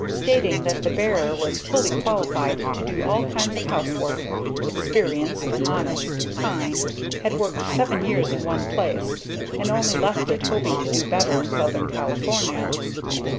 stating that the bearer was fully qualified to do all kinds of housework, experienced, honest, kind, had worked seven years in one place, and only left it hoping to do better in Southern California.